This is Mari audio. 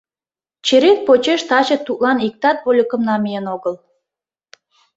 Черет почеш таче тудлан иктат вольыкым намиен огыл.